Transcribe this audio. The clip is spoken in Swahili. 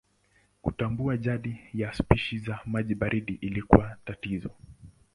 Kutambua jadi ya spishi za maji baridi ilikuwa tatizo.